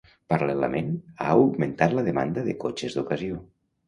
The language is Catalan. Paral·lelament, ha augmentat la demanda de cotxes d'ocasió.